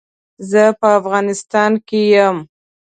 زه په افغانيستان کې يم.